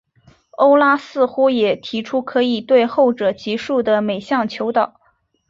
欧拉似乎也提出可以对后者级数的每项求导。